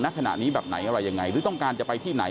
ขณะนี้แบบไหนอะไรยังไงหรือต้องการจะไปที่ไหน